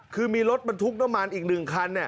คือมีรถประทุกต่อมาอีกหนึ่งคัน